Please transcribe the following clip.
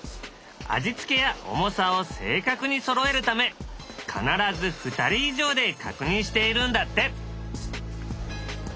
味付けや重さを正確にそろえるため必ず２人以上で確認しているんだって。